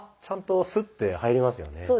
ちゃんとスッて入りますよね。